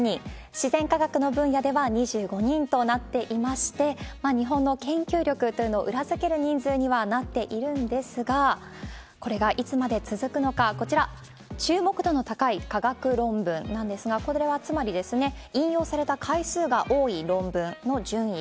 自然科学の分野では２５人となっていまして、日本の研究力というのを裏付ける人数にはなっているんですが、これがいつまで続くのか、こちら、注目度の高い科学論文なんですが、これはつまり、引用された回数が多い論文の順位。